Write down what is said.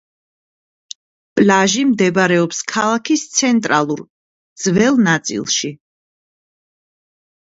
პლაჟი მდებარეობს ქალაქის ცენტრალურ, ძველ ნაწილში.